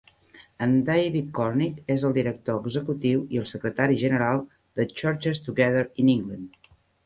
En David Cornick és el director executiu i el secretari general de Churches Together in England.